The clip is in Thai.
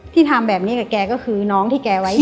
ทำแบบนี้กับแกก็คือน้องที่แกไว้อยู่